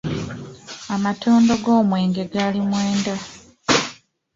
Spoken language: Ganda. Amatondo g’omwenge gali mwenda.